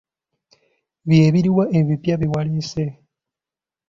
Bye biruwa ebipya bye waleese?